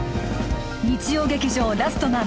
日曜劇場「ラストマン」